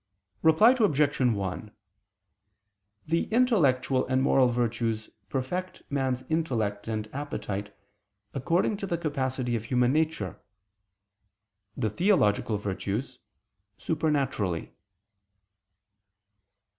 Reply Obj. 1: The intellectual and moral virtues perfect man's intellect and appetite according to the capacity of human nature; the theological virtues, supernaturally.